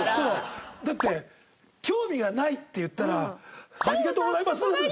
だって「興味がない」って言ったら「ありがとうございます」。